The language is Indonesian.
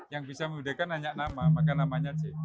yang bisa memudahkan hanya nama maka namanya c